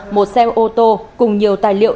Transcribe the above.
một xe ô tô cùng nhiều tài liệu